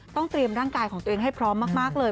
เตรียมร่างกายของตัวเองให้พร้อมมากเลย